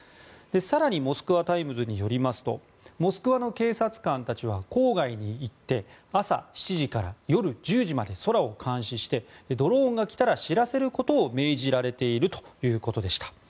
更にモスクワ・タイムズによりますとモスクワの警察官たちは郊外に行って、朝７時から夜１０時まで空を監視してドローンが来たら知らせることを命じられているということでした。